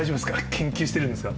研究してるんですか？